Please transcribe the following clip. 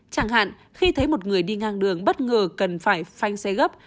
chẳng hạn khi thấy một người đi ngang đường bất ngờ cần phải phanh xe gấp